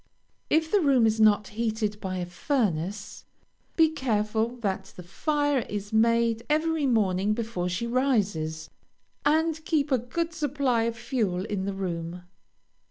If the room is not heated by a furnace, be careful that the fire is made every morning before she rises, and keep a good supply of fuel in the room.